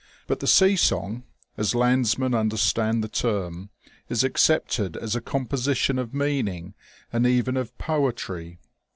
But the sea song, as landsmen understand the term, is accepted as a composition of meaning and even of poetry.